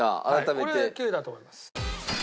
これ９位だと思います。